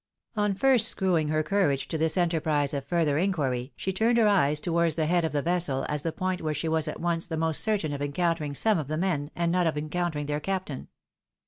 On first screwing her courage to this enterprise of further inquiry, she turned her eyes towards the head of the vessel as the point where she was at once the most certain of encounter ing some of the men, and of not encountering their captain.